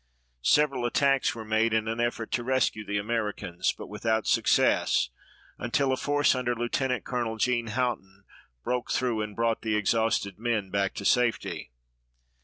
Several attacks were made in an effort to rescue the Americans but without success until a force under Lieutenant Colonel Gene Houghton broke through and brought the exhausted men back to safety.